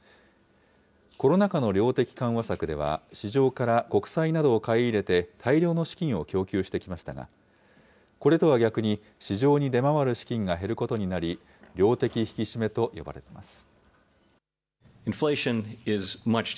コロナ禍の量的緩和策では、市場から国債などを買い入れて、大量の資金を供給してきましたが、これとは逆に市場に出回る資金が減ることになり、量的引き締めと呼ばれています。